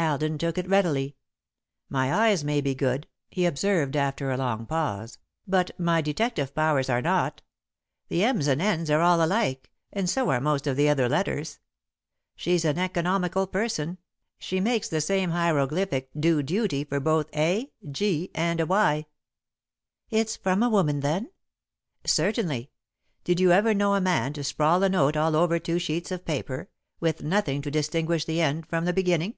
Alden took it readily. "My eyes may be good," he observed, after a long pause, "but my detective powers are not. The m's and n's are all alike, and so are most of the other letters. She's an economical person she makes the same hieroglyphic do duty for both a g and a y." "It's from a woman, then?" "Certainly. Did you ever know a man to sprawl a note all over two sheets of paper, with nothing to distinguish the end from the beginning?